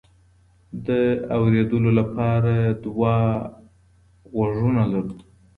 د اوریدلو لپاره دوه غوږونه لرو.